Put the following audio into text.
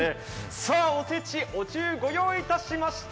さあ、おせち、お重、ご用意いたしました。